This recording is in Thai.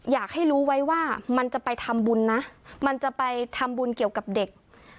อยากให้รู้ไว้ว่ามันจะไปทำบุญนะมันจะไปทำบุญเกี่ยวกับเด็ก